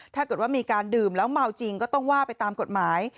ถ้าเกิดว่ามีการดื่มแล้วเมาจริงก็ต้องว่าไปตามกฎหมาย